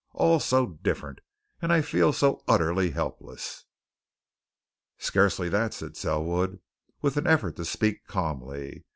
"All so different! And I feel so utterly helpless." "Scarcely that," said Selwood, with an effort to speak calmly.